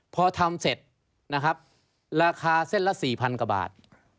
พอทำเสร็จลาคาเส้นละ๔๐๐๐กว่าบาท